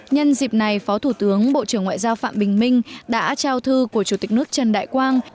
nhân dịp này phó thủ tướng bộ trưởng ngoại giao phạm bình minh đã trao thư của chủ tịch nước trần đại quang